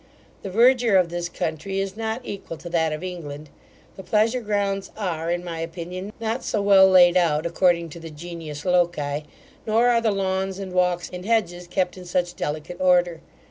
The verdure of this country is not equal to that of England. The pleasure grounds are, in my opinion, not so well laid out according to the genius loci; nor are the lawns, and walks, and hedges kept in such delicate order.